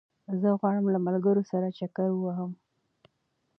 زه غواړم له ملګرو سره چکر ووهم